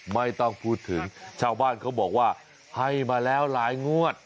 ไม่ต้องพูดถึงชาวบ้านเขาบอกว่าให้มาแล้วหลายงวด